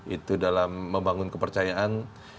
itu dalam membangun kepercayaan